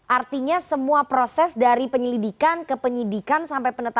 artinya semua proses dari penyelidikan ke penyidikan sampai penetapan